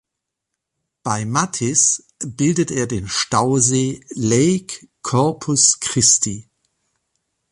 Bei Mathis bildet er den Stausee Lake Corpus Christi.